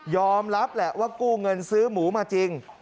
รับแหละว่ากู้เงินซื้อหมูมาจริง